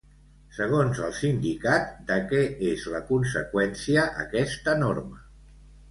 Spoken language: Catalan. Segons el sindicat, de què és la conseqüència aquesta norma?